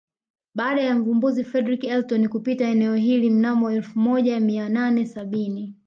Baada ya Mvumbuzi Fredrick Elton kupita eneo hili mnamo elfu moja mia nane sabini